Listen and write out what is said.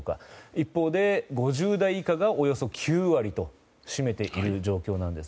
一方で、５０代以下がおよそ９割を占めている状況です。